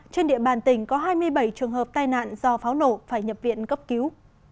trên địa bàn tỉnh có hai mươi bảy trường hợp tai nạn do pháo nổ phải nhập viện cấp cứu